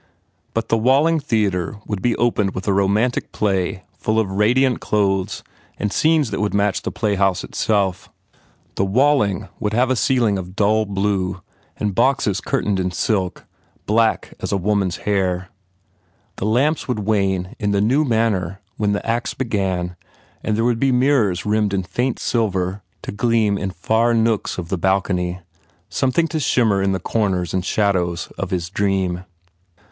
But the Walling Theatre would be opened with a romantic play full of radiant clothes and scenes that would match the playhouse itself. The Walling would have a ceiling of dull 33 THE FAIR REWARDS blue and boxes curtained in silk, black as a woman s hair. The lamps should wane in the new manner when the acts began and there would be mirrors rimmed in faint silver to gleam in far nooks of the balcony something to shimmer in corners and shadows of his dream.